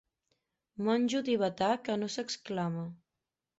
Monjo tibetà que no s'exclama.